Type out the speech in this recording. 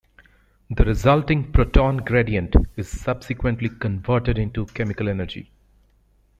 The resulting proton gradient is subsequently converted into chemical energy.